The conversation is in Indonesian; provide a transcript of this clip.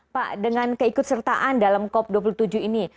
pak dengan keikutsertaan dalam cop dua puluh tujuh ini